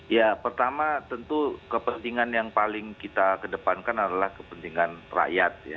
ya pertama tentu kepentingan yang paling kita kedepankan adalah kepentingan rakyat ya